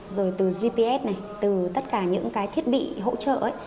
rồi từ gps từ tất cả những thiết bị hỗ trợ